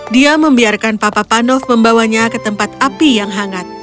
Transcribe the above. dia membiarkan papa panov membawanya ke tempat api yang hangat